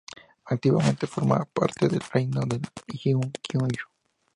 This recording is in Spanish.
Antiguamente formó parte del Reino de Ryūkyū.